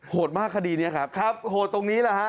มากคดีนี้ครับครับโหดตรงนี้แหละฮะ